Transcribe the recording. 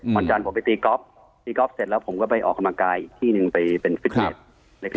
วันจันทร์ผมไปตีก๊อฟตีก๊อฟเสร็จแล้วผมก็ไปออกกำลังกายอีกที่หนึ่งไปเป็นฟิตเนส